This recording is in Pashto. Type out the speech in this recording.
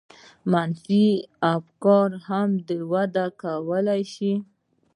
منفي افکار هم وده کولای شي.